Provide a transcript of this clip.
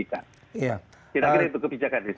itu akhirnya untuk kebijakan